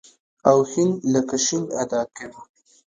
او ښ لکه ش ادا کوي.